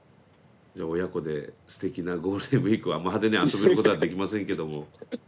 じゃあ親子ですてきなゴールデンウイークはあんま派手に遊べることはできませんけども。